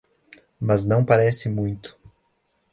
Mas não parece muito.